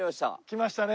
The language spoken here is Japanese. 来ましたね！